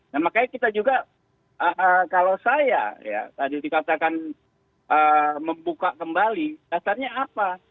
nah makanya kita juga kalau saya ya tadi dikatakan membuka kembali dasarnya apa